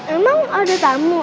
emang ada tamu